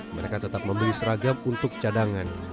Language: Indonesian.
mereka tetap membeli seragam untuk cadangan